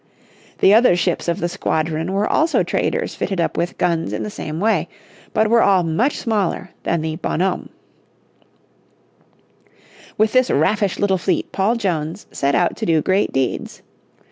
The other ships of the squadron were also traders fitted up with guns in the same way, but were all much smaller than the Bonhomme. With this raffish little fleet Paul Jones set out to do great deeds.